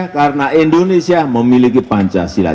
karena indonesia memiliki pancasila